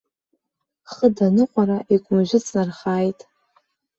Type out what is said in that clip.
Хыда аныҟәара икәымжәы ҵнархааит.